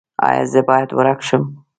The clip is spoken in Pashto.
ایا زه باید ورک شم؟